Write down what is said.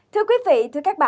thưa quý vị thưa các bạn